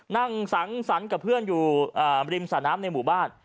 นั่งสังสรรค์กับเพื่อนอยู่ริมสระน้ำในหมู่บ้าน